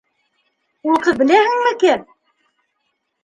Ул ҡыҙ беләһеңме кем?